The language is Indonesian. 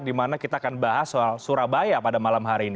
dimana kita akan bahas soal surabaya pada malam hari ini